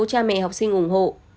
cha mẹ học sinh ủng hộ